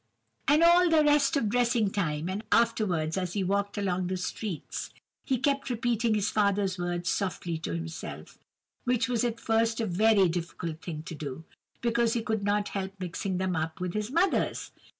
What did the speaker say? "And all the rest of dressing time, and afterwards as he walked along the streets, he kept repeating his father's words softly to himself, which was at first a very difficult thing to do, because he could not help mixing them up with his mother's.